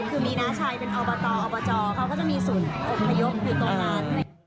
คือมีน้าชายเป็นอบตอบจเขาก็จะมีศูนย์อบพยพอยู่ตรงนั้น